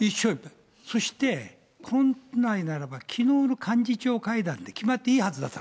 そして、本来ならば、きのうの幹事長会談で決まっていいはずだった。